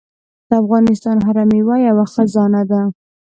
د افغانستان هره میوه یوه خزانه ده.